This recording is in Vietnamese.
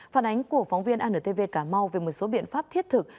phản ánh của phóng viên antv cà mau về một số biện pháp thiết thực